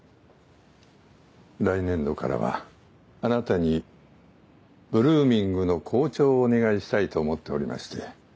来年度からはあなたにブルーミングの校長をお願いしたいと思っておりまして。